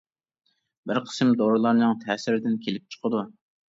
بىر قىسىم دورىلارنىڭ تەسىرىدىن كېلىپ چىقىدۇ.